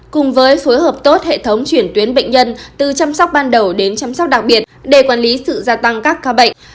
cùng với phối hợp tốt hệ thống chuyển tuyến bệnh nhân từ chăm sóc ban đầu đến chăm sóc đặc biệt để quản lý sự gia tăng các ca bệnh